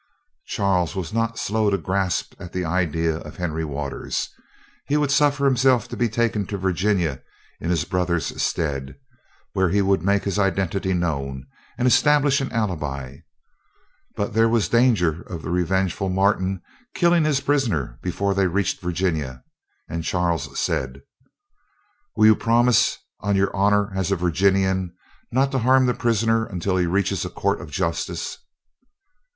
Charles was not slow to grasp at the idea of Henry Waters. He would suffer himself to be taken to Virginia in his brother's stead, where he would make his identity known and establish an alibi; but there was danger of the revengeful Martin killing his prisoner before he reached Virginia, and Charles said: "Will you promise, on your honor as a Virginian, not to harm the prisoner until he reaches a court of justice?"